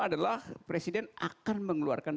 adalah presiden akan mengeluarkan